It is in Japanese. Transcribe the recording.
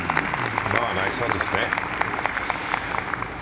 ナイスオンですね。